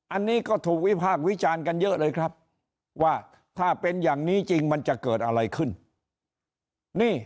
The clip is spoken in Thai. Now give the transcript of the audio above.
อันนี้ก็ถูกวิพากษ์วิจารณ์กันเยอะเลยครับว่าถ้าเป็นอย่างนี้จริงมันจะเกิดอะไรขึ้น